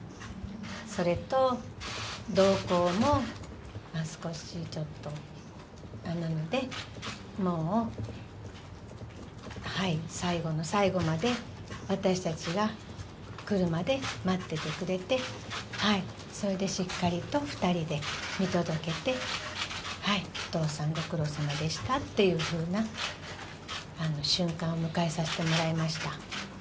それと、どうこうもまあ、少しちょっと、なので、もう、最後の最後まで、私たちが来るまで待っててくれて、それでしっかりと２人で見届けて、お父さん、ご苦労様でしたっていうふうな瞬間を迎えさせてもらいました。